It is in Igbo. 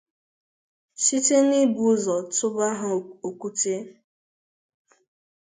site n'ibu ụzọ tụba ha okwute